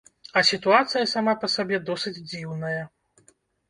А сітуацыя сама па сабе досыць дзіўная.